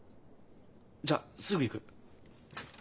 じゃあすぐ行く。